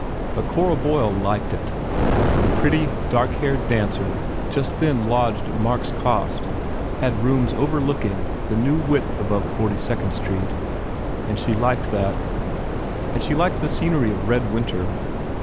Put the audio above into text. But Cora Boyle liked it. The pretty, black haired dancer just then lodged at Mark s cost had rooms overlooking ,the new width above Forty Second Street. And she liked that. ... And she liked the scenery of "Red Winter."